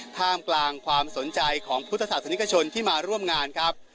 ท่ามกลางความสนใจของพุทธศาสนิกชนที่มาร่วมงานครับ